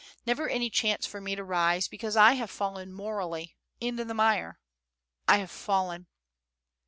Never any chance for me to rise, because I have fallen morally ... into the mire I have fallen.